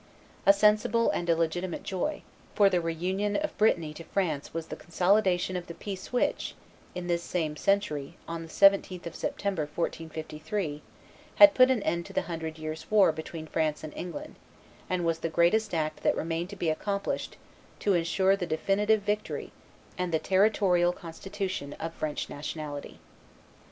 A sensible and a legitimate joy: for the reunion of Brittany to France was the consolidation of the peace which, in this same century, on the 17th of September, 1453, had put an end to the Hundred Years' War between France and England, and was the greatest act that remained to be accomplished to insure the definitive victory and the territorial constitution of French nationality.